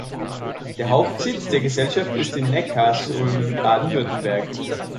Der Hauptsitz der Gesellschaft ist in Neckarsulm, Baden-Württemberg.